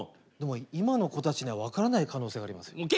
でも今の子たちには分からない可能性がありますよ。